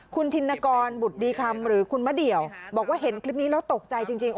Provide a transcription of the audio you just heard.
คุณธินกรบุตรดีคำหรือคุณมะเดี่ยวบอกว่าเห็นคลิปนี้แล้วตกใจจริง